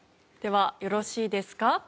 ではよろしいですか？